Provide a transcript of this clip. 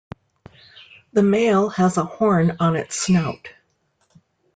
The male has a horn on its snout.